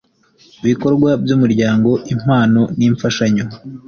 ibikorwa by Umuryango impano n imfashanyo